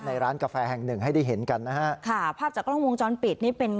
ร้านกาแฟแห่งหนึ่งให้ได้เห็นกันนะฮะค่ะภาพจากกล้องวงจรปิดนี่เป็น